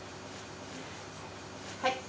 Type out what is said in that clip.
はい。